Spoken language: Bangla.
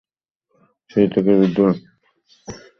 সেই থেকেই বিদ্যালয়ের অগ্রযাত্রা শুরু।